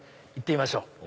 行ってみましょう。